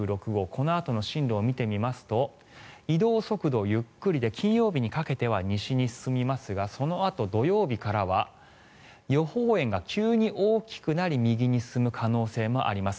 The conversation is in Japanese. このあとの進路を見てみますと移動速度ゆっくりで金曜日にかけては西に進みますがそのあと土曜日からは予報円が急に大きくなり右に進む可能性もあります。